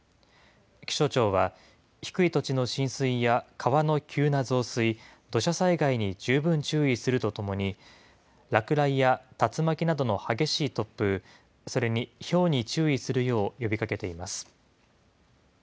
気象庁は、低い土地の浸水や川の急な増水、土砂災害に十分注意するとともに、落雷や竜巻などの激しい突風、それにひょうに注意するよう呼びかけています。